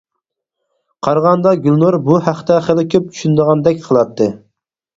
قارىغاندا گۈلنۇر بۇ ھەقتە خېلى كۆپ چۈشىنىدىغاندەك قىلاتتى.